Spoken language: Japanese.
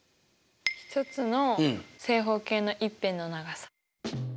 １つの正方形の１辺の長さ。